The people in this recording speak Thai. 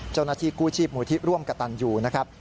เจ้าหน้าที่กู้ชีพมูลที่ร่วมกระตันอยู่นะครับ